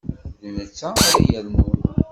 D netta ara yernun.